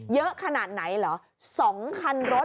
เยอะขนาดไหนเหรอ๒คันรถ